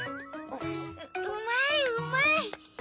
ううまいうまい。